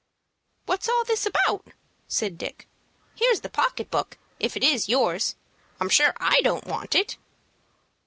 "What's all this about?" said Dick. "Here's the pocket book, if it is yours. I'm sure I don't want it."